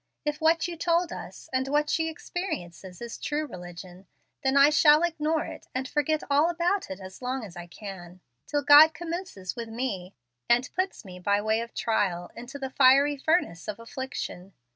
If what you told us, and what she experiences, is true religion, then I shall ignore it and forget all about it as long as I can, till God commences with me, and puts me by way of trial into the fiery furnace of affliction.